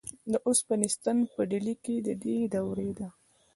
د اوسپنې ستن په ډیلي کې د دې دورې ده.